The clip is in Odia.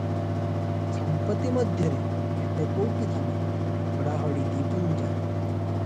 ସମ୍ପତ୍ତି ମଧ୍ୟରେ କେତେ ପୌଟି ଧାନ, ହଡ଼ା ହଡ଼ି ଦି'ପୁଞ୍ଜା!